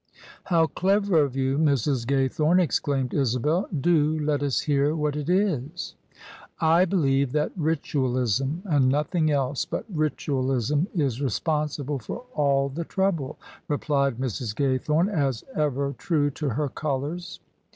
"How clever of you, Mrs. Gaythornel" exclaimed Isabel. " Do let us hear what it is." " I believe that Ritualism — ^and nothing else but Ritual ism — is responsible for all the trouble," replied Mrs. Gay thome, as ever true to her colours.